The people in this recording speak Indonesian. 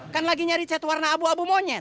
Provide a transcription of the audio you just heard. kan lagi nyari chat warna abu abu monyet